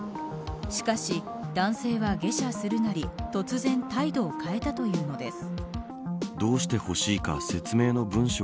しかし男性は、下車するなり突然態度を変えたというのです。